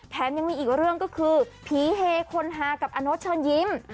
ยังมีอีกเรื่องก็คือผีเฮคนฮากับอโน๊ตเชิญยิ้ม